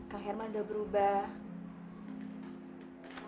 kak herman udah berubah